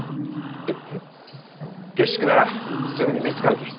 下宿ならすぐに見つかるき。